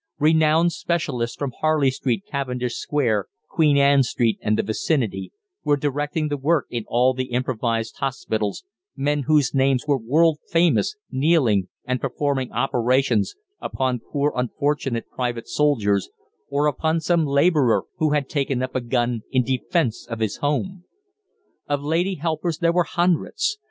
Renowned specialists from Harley Street, Cavendish Square, Queen Ann Street, and the vicinity were directing the work in all the improvised hospitals, men whose names were world famous kneeling and performing operations upon poor unfortunate private soldiers or upon some labourer who had taken up a gun in defence of his home. Of lady helpers there were hundreds.